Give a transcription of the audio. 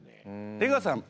出川さん